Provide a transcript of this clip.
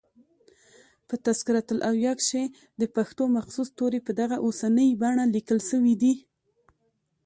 په" تذکرة الاولیاء" کښي دپښتو مخصوص توري په دغه اوسنۍ بڼه لیکل سوي دي.